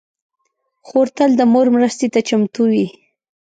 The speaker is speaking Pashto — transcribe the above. خور تل د مور مرستې ته چمتو وي.